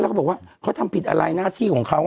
แล้วก็บอกว่าเขาทำผิดอะไรหน้าที่ของเขา